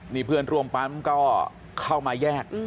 นี่เพื่อนร่วมปั๊มก็เข้ามาแยก